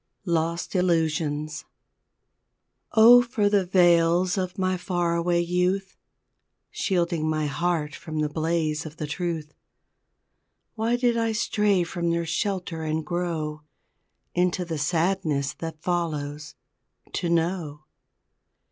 LOST ILLUSIONS Oh, for the veils of my far away youth, Shielding my heart from the blaze of the truth, Why did I stray from their shelter and grow Into the sadness that follows to know!